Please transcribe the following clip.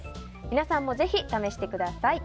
皆さんもぜひ試してください。